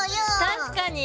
確かに！